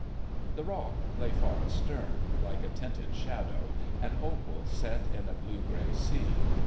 The Rock lay far astern like a tinted shadow, an opal set in a blue grey sea.